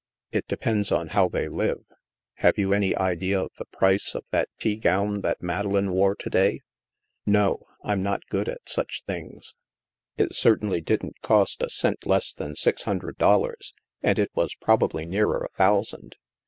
" It depends on how they live. Have you any idea of the price of that tea gown that Madeleine wore to day ?"" No. I'm not good at such things." " It certainly didn't cost a cent less than six hun dred dollars, and it was probably nearer a thou sand.